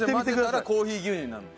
混ぜたらコーヒー牛乳になるの。